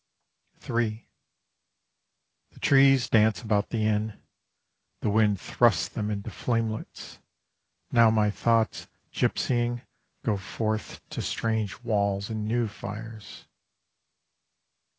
III The trees dance about the inn; The wind thrusts them into flamelets. Now my thoughts gipsying, Go forth to strange walls and new fires.